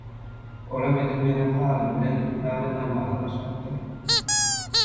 Olam edil meniň halymy bilen ýaly namaza başlapdyr.